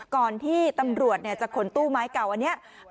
ก่อนที่ตำรวจจากขนตู้ไม้เก่าตรงนี้กลับขึ้นรถ